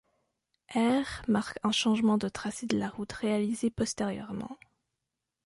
R marque un changement de tracé de la route réalisé postérieurement.